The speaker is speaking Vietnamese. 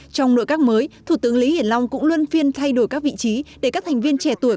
trong nội các mới thủ tướng lý hiển long cũng luân phiên thay đổi các vị trí để các thành viên trẻ tuổi